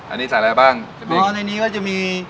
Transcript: อันนี้ใส่อะไรบ้างอันนี้ก็จะมี